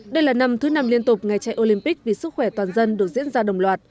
đây là năm thứ năm liên tục ngày chạy olympic vì sức khỏe toàn dân được diễn ra đồng loạt